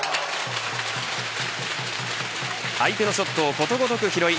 相手のショットをことごとく拾い